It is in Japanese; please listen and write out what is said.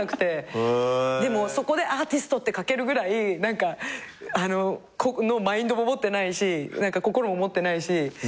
でもそこでアーティストって書けるぐらいのマインドも持ってないし心も持ってないし。